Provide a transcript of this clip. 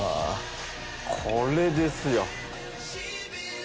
これですよ！